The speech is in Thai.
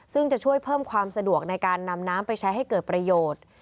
ซึ่งจะช่วยเพิ่มความสะดวกในการนำน้ำไปใช้ให้เกิดประโยชน์